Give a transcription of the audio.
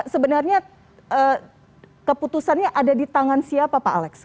sebenarnya keputusannya ada di tangan siapa pak alex